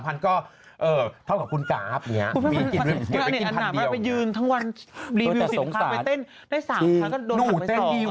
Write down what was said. ไปเต้นได้๓๐๐๐ก็โดน๓๐๐๐อ่ะ